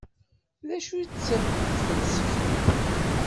D acu-tt tfelseft-im?